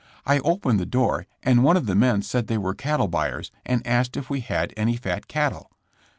*'I opened the door and one of the men said they were cattle buyers, and asked if we had any fat cattle.